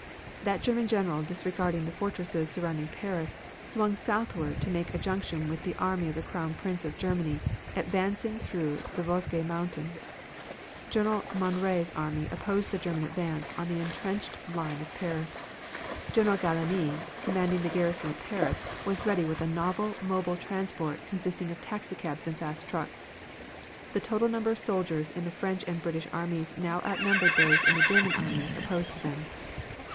That German general disregarding the fortresses surrounding Paris, swung southward to make a junction with the Army of the Crown Prince of Germany advancing through the Vosges Mountains. General Manoury's army opposed the German advance on the entrenched line of Paris. General Gallieni commanding the garrison of Paris, was ready with a novel mobile transport consisting of taxicabs and fast trucks. The total number of soldiers in the French and British armies now outnumbered those in the German armies opposed to them.